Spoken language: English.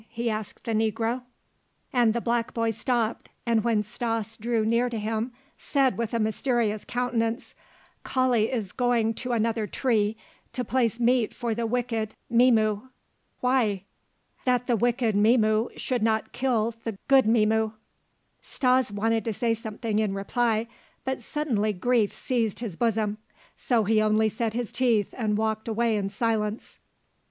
he asked the negro. And the black boy stopped, and when Stas drew near to him said with a mysterious countenance: "Kali is going to another tree to place meat for the wicked Mzimu." "Why?" "That the wicked Mzimu should not kill the 'Good Mzimu.'" Stas wanted to say something in reply, but suddenly grief seized his bosom; so he only set his teeth and walked away in silence.